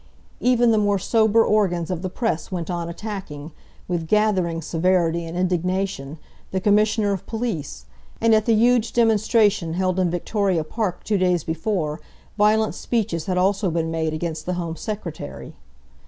Even the more sober organs of the Press went on attacking, with gathering severity and indignation, the Commissioner of Police; and at the huge demonstration held in Victoria Park two days before violent speeches had also been made against the Home Secretary.